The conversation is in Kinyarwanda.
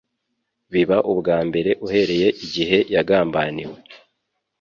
Biba ubwa mbere uhereye igihe yagambaniwe